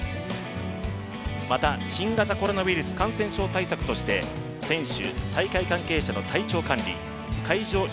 また新型コロナウイルス感染症対策として選手、大会関係者の体調管理会場